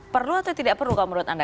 perlu atau tidak perlu kalau menurut anda